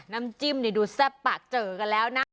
น้ำจิ้มดูแซ่บปากเจอกันแล้วนะ